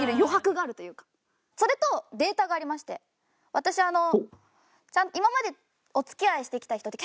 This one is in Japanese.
私あの。